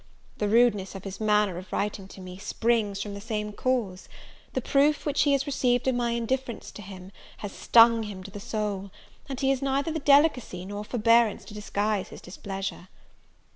The rudeness of his manner of writing to me, springs, from the same cause: the proof which he has received of my indifference to him, has stung him to the soul, and he has neither the delicacy nor forbearance to disguise his displeasure.